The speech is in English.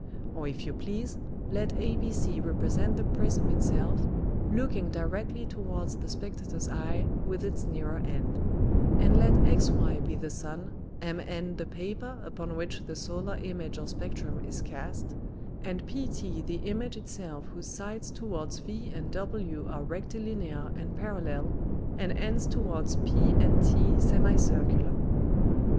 Or if you please, let ABC represent the Prism it self, looking directly towards the Spectator's Eye with its nearer end: And let XY be the Sun, MN the Paper upon which the Solar Image or Spectrum is cast, and PT the Image it self whose sides towards v and w are Rectilinear and Parallel, and ends towards P and T Semicircular.